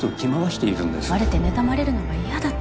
バレて妬まれるのが嫌だった